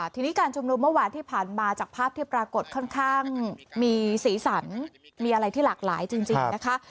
ทีนี้การชุมนุมเมื่อวานที่ผ่านมาจากภาพที่ปรากฏค่อนข้างมีสีสันมีอะไรที่หลากหลายจริงนะคะ